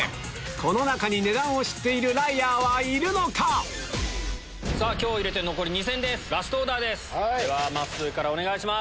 この中に値段を知っているライアーはいるのか⁉今日入れて残り２戦ですラストオーダーまっすーお願いします。